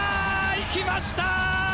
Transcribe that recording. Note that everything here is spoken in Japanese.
行きました！